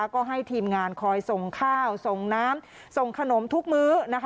ก็ให้ทีมงานคอยส่งข้าวส่งน้ำส่งขนมทุกมื้อ